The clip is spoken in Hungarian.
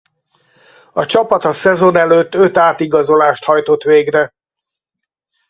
A csapat a szezon előtt öt átigazolást hajtott végre.